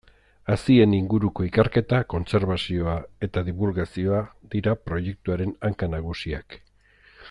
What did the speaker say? Hazien inguruko ikerketa, kontserbazioa eta dibulgazioa dira proiektuaren hanka nagusiak.